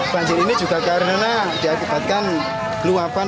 banjir ini juga karena diakibatkan luapan